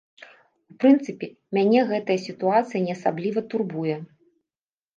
У прынцыпе, мяне гэтая сітуацыя не асабліва турбуе.